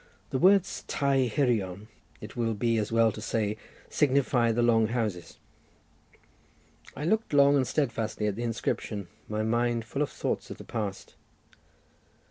The words Tai Hirion, it will be as well to say, signify the long houses. I looked long and steadfastly at the inscription, my mind full of thoughts of the past.